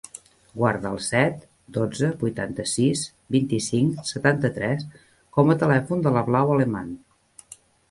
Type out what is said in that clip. Guarda el set, dotze, vuitanta-sis, vint-i-cinc, setanta-tres com a telèfon de la Blau Aleman.